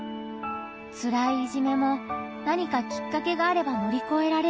つらいいじめも何かきっかけがあれば乗り越えられる。